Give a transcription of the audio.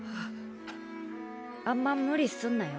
あんま無理すんなよ